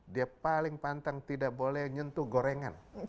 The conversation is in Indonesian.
dia paling pantang tidak boleh nyentuh gorengan